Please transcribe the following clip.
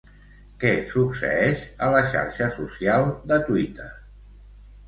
Què succeeix a la xarxa social de Twitter?